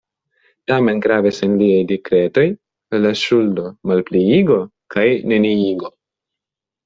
Tamen, gravis en liaj dekretoj la ŝuldo-malpliigo kaj -neniigo.